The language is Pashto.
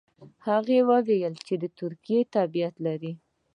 هغه وايي چې د ترکیې تابعیت لري.